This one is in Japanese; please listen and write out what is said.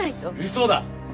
嘘だ！